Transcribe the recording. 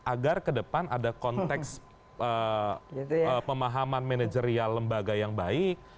agar ke depan ada konteks pemahaman manajerial lembaga yang baik